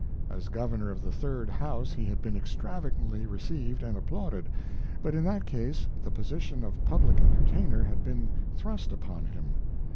As Governor of the Third House he had been extravagantly received and applauded, but in that case the position of public entertainer had been thrust upon him.